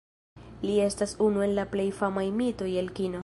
Li estas unu el la plej famaj mitoj el kino.